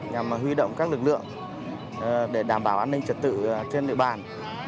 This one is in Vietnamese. nhằm huy động các lực lượng để đảm bảo an ninh trật tự trên địa bàn